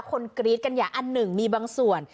คนคลิ้ดกันอย่างอัน๑มีบางส่วน